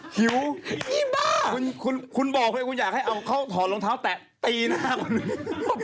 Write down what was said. ผิวกางเต้าป้าคุณบอกเลยว่าคุณอยากให้เส้าน้ำลองเท้าแตะตีหน้าคน